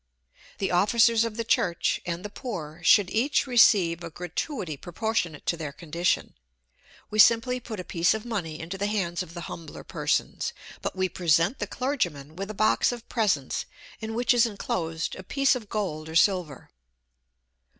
The officers of the church, and the poor, should each receive a gratuity proportionate to their condition. We simply put a piece of money into the hands of the humbler persons; but we present the clergyman with a box of presents in which is enclosed a piece of gold or silver.